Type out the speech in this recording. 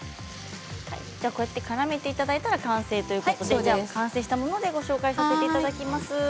からめていただいたら完成ということで完成したものでご紹介していただきます。